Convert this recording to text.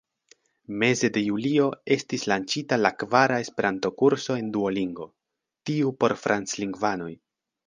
Meze de julio estis lanĉita la kvara Esperanto-kurso en Duolingo, tiu por franclingvanoj.